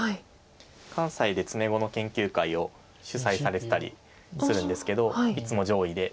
関西で詰碁の研究会を主催されてたりするんですけどいつも上位で。